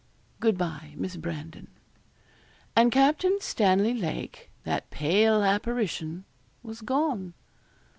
Good bye, Miss Brandon.' And Captain Stanley Lake, that pale apparition, was gone.